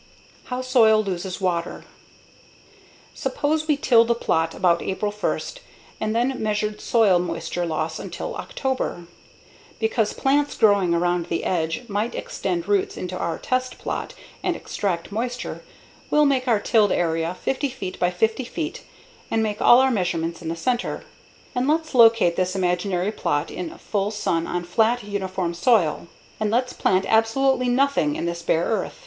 _ How Soil Loses Water Suppose we tilled a plot about April 1 and then measured soil moisture loss until October. Because plants growing around the edge might extend roots into our test plot and extract moisture, we'll make our tilled area 50 feet by 50 feet and make all our measurements in the center. And let's locate this imaginary plot in full sun on flat, uniform soil. And let's plant absolutely nothing in this bare earth.